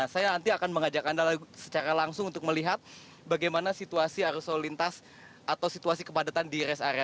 saya nanti akan mengajak anda secara langsung untuk melihat bagaimana situasi arus lalu lintas atau situasi kepadatan di rest area